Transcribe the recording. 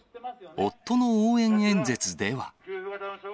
夫の応援演説では。